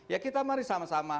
ya kita mari sama sama